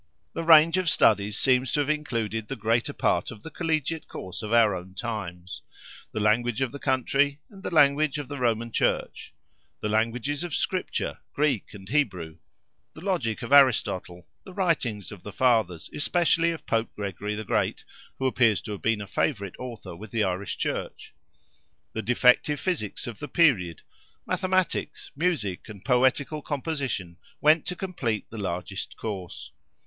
The range of studies seems to have included the greater part of the collegiate course of our own times. The language of the country, and the language of the Roman Church; the languages of Scripture—Greek and Hebrew; the logic of Aristotle, the writings of the Fathers, especially of Pope Gregory the Great—who appears to have been a favourite author with the Irish Church; the defective Physics of the period; Mathematics, Music, and Poetical composition went to complete the largest course.